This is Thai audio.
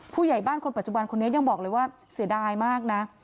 ผู้ใหญ่บ้านคนปัจจุบันคนนี้ยังบอกเลยว่าเสียดายมากนะ